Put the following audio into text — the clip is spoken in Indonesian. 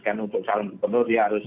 kan untuk calon gubernur dia harus